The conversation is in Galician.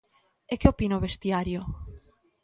E que opina o vestiario?